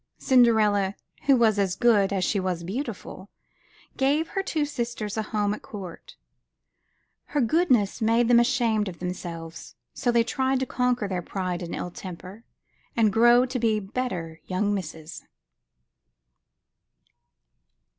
Cinderella, who was as good as she was beautiful, gave her two sisters a home at court. Her goodness made them ashamed of them selves, so they tried to conquer their pride and ill temper, and grow to be better young misses.